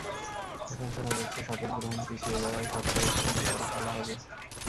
এখন শোনা যাচ্ছে, শপথ গ্রহণ পিছিয়ে যাওয়ায় সবটাই একসঙ্গে করে ফেলা হবে।